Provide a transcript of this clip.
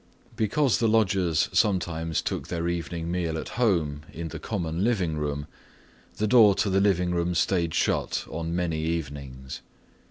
Because the lodgers sometimes also took their evening meal at home in the common living room, the door to the living room stayed shut on many evenings.